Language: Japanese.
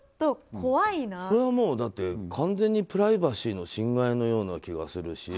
これは完全にプライバシーの侵害のような気がするし。